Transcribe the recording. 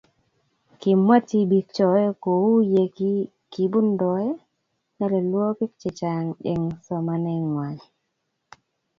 Kimwa tibiik choe ko uu ye kibuntoe nyalilwokik che chang eng somanee ngwang.